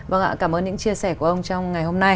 vâng ạ cảm ơn những chia sẻ của ông trong ngày hôm nay